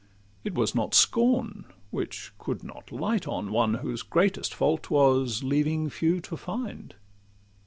It was not scorn—which could not light on one Whose greatest fault was leaving few to find.